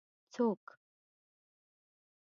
څوک